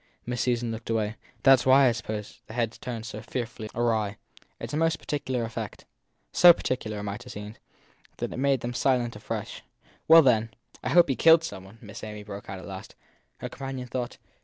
Miss Susan looked away. That s why, I suppose, the head turns so fearfully awry. It s a most peculiar effect. So peculiar, it might have seemed, that it made them silent afresh. Well, then, I hope he killed some one! Miss Amy broke out at last. Her companion thought.